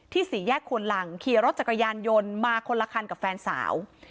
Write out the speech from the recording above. สี่แยกควนหลังขี่รถจักรยานยนต์มาคนละคันกับแฟนสาว